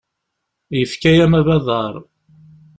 Yefka-yam abadaṛ.